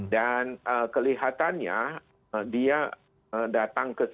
dan kelihatannya dia datang ke sana